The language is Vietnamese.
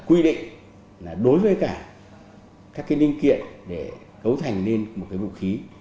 quy định là đối với cả các cái linh kiện để cấu thành lên một cái vũ khí